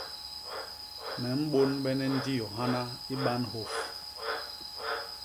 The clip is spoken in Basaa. Me mbônbene ndiô hana i banhôp.